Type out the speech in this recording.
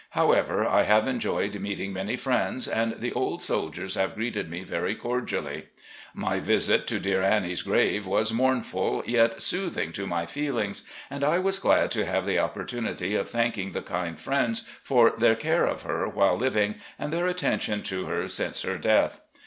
However, I have enjoyed meeting many friends, and the old soldiers have greeted me very cordially. My visit to dear Annie's grave was moumftd, yet soothing to my feelings, and I was glad to have the opportunity of thanking the kind friends for their care of her while living and their atten tion to her since her death.